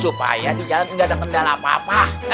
supaya di jalan tidak ada kendala apa apa